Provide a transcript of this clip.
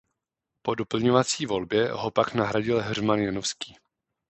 Po doplňovací volbě ho pak nahradil Heřman Janovský.